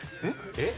えっ？